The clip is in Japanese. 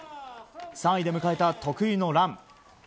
３位で迎えた得意のラン。